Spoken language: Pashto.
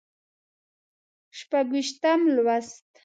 شپږ ویشتم لوست